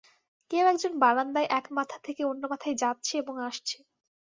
কেউ একজন বারান্দায় এক মাথা থেকে অন্য মাথায় যাচ্ছে এবং আসছে।